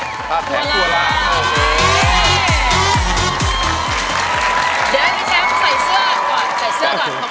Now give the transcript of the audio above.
พี่แชมป์ใส่เสื้อก่อนใส่เสื้อก่อน